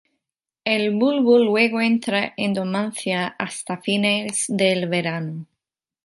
El bulbo luego entra en dormancia hasta fines del verano.